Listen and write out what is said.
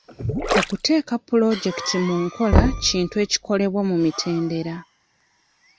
Okuteeka pulojekiti mu nkola kintu ekikolebwa mu mitendera.